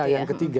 sikap yang ketiga